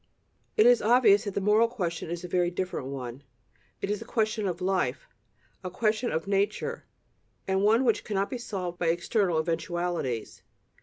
It is obvious that the moral question is a very different one; it is a question of life, a question of "nature," and one which cannot be solved by external eventualities.